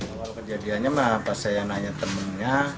awal kejadiannya mah pas saya nanya temannya